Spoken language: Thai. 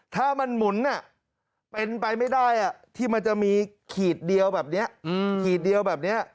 ถ้ามันหมุนเป็นไปไม่ได้ที่มันจะมีขีดเดียวแบบนี้